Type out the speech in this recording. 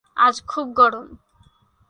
আজ খুব গরম।